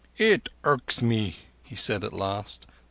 "It irks me," he said at last.